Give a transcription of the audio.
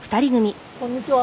こんにちは。